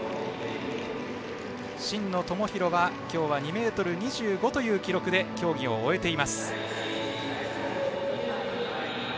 真野友博は今日は２ｍ２５という記録で競技を終えています。